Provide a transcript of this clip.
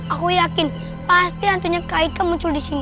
aku yakin pasti hantunya kak ika muncul di sini